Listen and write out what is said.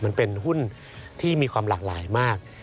มันเป็นหุ้นที่มีความหลากหลายมาก